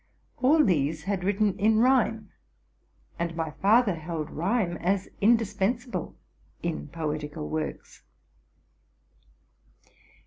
All these had written in rhyme, and my father held rhyme as indispensable in poetical works.